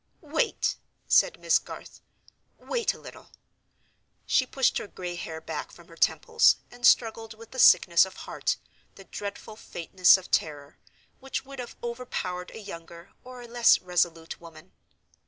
"Wait," said Miss Garth, "wait a little." She pushed her gray hair back from her temples, and struggled with the sickness of heart, the dreadful faintness of terror, which would have overpowered a younger or a less resolute woman.